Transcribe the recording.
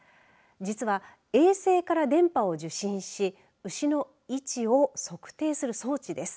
実は衛星から電波を受信し牛の位置を測定する装置です。